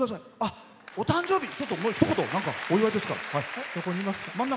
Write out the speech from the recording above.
お誕生日ちょっとひと言、お祝いですから。